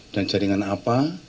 dan jaringan apa